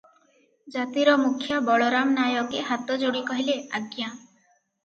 ଜାତିର ମୁଖ୍ୟା ବଳରାମ ନାୟକେ ହାତଯୋଡି କହିଲେ, "ଆଜ୍ଞା!